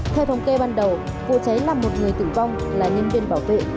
theo thống kê ban đầu vụ cháy làm một người tử vong là nhân viên bảo vệ